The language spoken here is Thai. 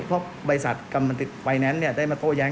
เพราะบริษัทไฟแนนซ์ได้มาโต้แย้ง